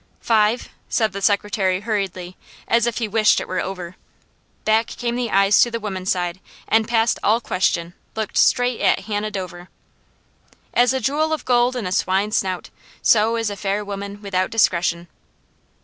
"Five," said the secretary hurriedly, as if he wished it were over. Back came the eyes to the women's side and past all question looked straight at Hannah Dover. "As a jewel of gold in a swine's snout, so is a fair woman without discretion."